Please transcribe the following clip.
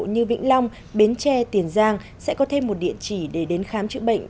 như vĩnh long bến tre tiền giang sẽ có thêm một địa chỉ để đến khám chữa bệnh